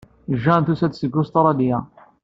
Jane tusa-d seg Ustṛalya.